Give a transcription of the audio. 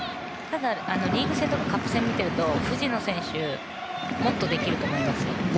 ただ、リーグ戦とかカップ戦を見ていると藤野選手もっとできると思います。